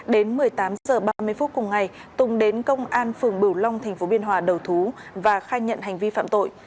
đến một mươi tám h ba mươi phút cùng ngày tùng đến công an phường bửu long tp biên hòa đầu thú và khai nhận hành vi phạm tội